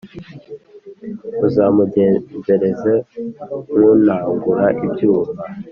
Uzamugenzereze nk’unagura ibyuma,